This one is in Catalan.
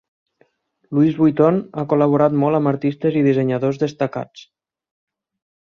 Louis Vuitton ha col·laborat molt amb artistes i dissenyadors destacats.